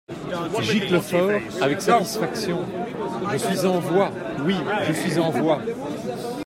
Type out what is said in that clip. Giclefort, avec satisfaction. — Je suis en voix ! oui, je suis en voix.